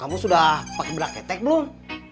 kamu sudah pake berak ketek belum